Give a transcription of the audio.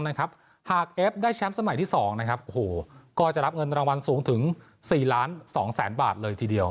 หากเอฟได้แชมป์สมัยที่๒นะครับก็จะรับเงินรางวัลสูงถึง๔๒๐๐๐๐๐บาทเลยทีเดียว